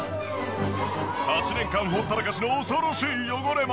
８年間ほったらかしの恐ろしい汚れも。